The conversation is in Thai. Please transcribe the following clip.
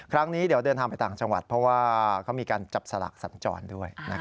ครั้งนี้เดี๋ยวเดินทางไปต่างจังหวัดเพราะว่าเขามีการจับสลากสัญจรด้วย